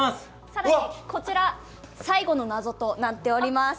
さらにこちら最後の謎となっています。